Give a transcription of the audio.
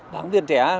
đảng viên trẻ